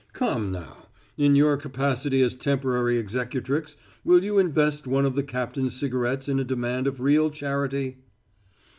Come, now; in your capacity as temporary executrix will you invest one of the captain's cigarettes in a demand of real charity?"